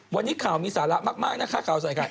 อ่ะวันนี้ข่าวมีสาระมากนะครับข่าวใส่ค่ะ